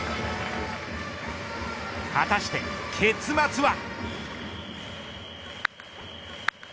果たして結末は。